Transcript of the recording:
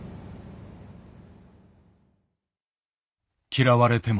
嫌われても